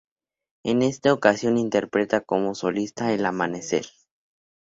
En esta ocasión interpreta como solista "El amanecer".